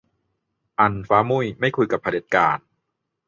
อัน ฟ้ามุ่ยไม่คุยกับเผด็จการ